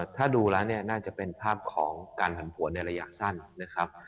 ถ้าดูแล้วเนี่ยน่าจะเป็นภาพของการผันผวนในระยะสั้นนะครับ